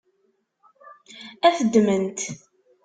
Ad t-ddment?